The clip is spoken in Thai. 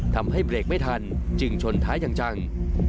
ทำให้เบรกไม่ทันจึงชนท้ายอย่างจัง